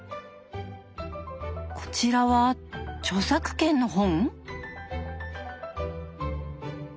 こちらは著作権の本？